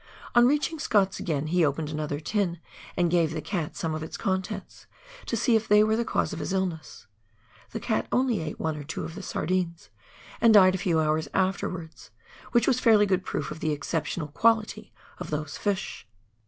On reaching Scott's again, he opened another tin, and gave the cat some of its contents, to see if they were the cause of his illness ; the cat only ate one or two of the sardines, and died a few hours afterwards, which was fairly good proof of the exceptional quality of those fish.